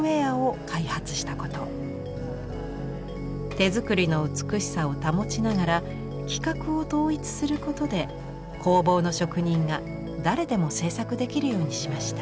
手作りの美しさを保ちながら規格を統一することで工房の職人が誰でも制作できるようにしました。